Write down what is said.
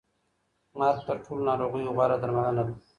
مرګ تر ټولو ناروغیو غوره درملنه ده.